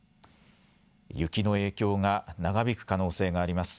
雪の影響が長引く可能性があります。